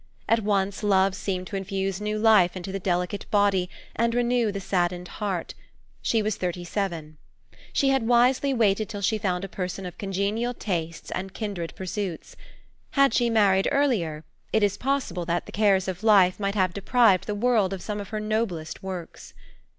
At once, love seemed to infuse new life into the delicate body and renew the saddened heart. She was thirty seven. She had wisely waited till she found a person of congenial tastes and kindred pursuits. Had she married earlier, it is possible that the cares of life might have deprived the world of some of her noblest works.